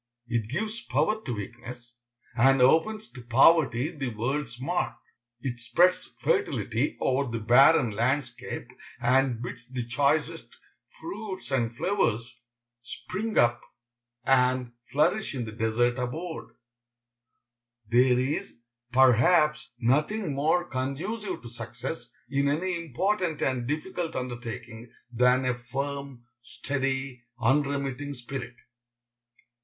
It gives power to weakness, and opens to poverty the world's mark. It spreads fertility over the barren landscape, and bids the choicest fruits and flowers spring up and flourish in the desert abode. There is, perhaps, nothing more conducive to success in any important and difficult undertaking than a firm, steady, unremitting spirit.